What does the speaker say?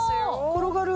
転がる。